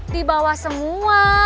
di bawah semua